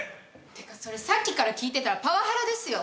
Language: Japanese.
てかそれさっきから聞いてたらパワハラですよ。